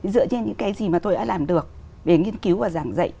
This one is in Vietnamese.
dựa trên những cái gì mà tôi đã làm được về nghiên cứu và giảng dạy